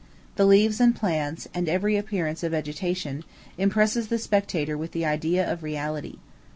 The leaves and plants, and every appearance of vegetation, impresses the spectator with the idea of reality.